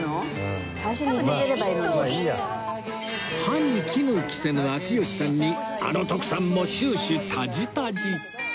歯に衣着せぬ秋吉さんにあの徳さんも終始タジタジ